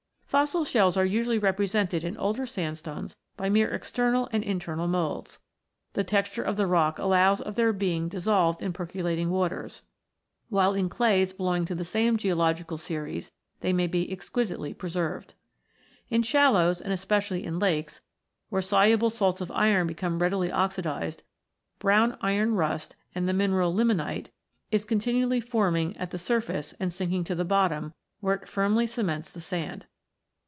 Fossil shells are usually represented in older sandstones by mere external and internal moulds. The texture of the rock allows of their being dis solved in percolating waters, while in clays belonging to the same geological series they may be exquisitely preserved. In shallows, and especially in lakes, where soluble salts of iron become readily oxidised, brown iron rust, the mineral limonite, is continually forming at the surface and sinking to the bottom, where it firmly cements the sand.